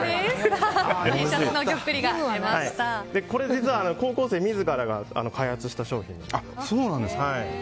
実は高校生自らが開発した商品なんです。